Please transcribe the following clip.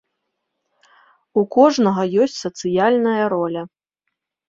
У кожнага ёсць сацыяльная роля.